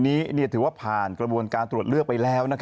นี้ถือว่าผ่านกระบวนการตรวจเลือกไปแล้ว